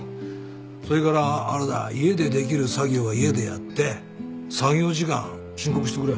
それからあれだ家でできる作業は家でやって作業時間申告してくれよ。